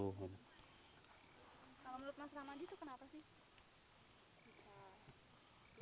kalau menurut mas ramadi itu kenapa sih